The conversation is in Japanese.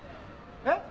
えっ？